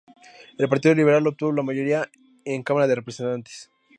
El partido liberal obtuvo la mayoría en Cámara de Representantes.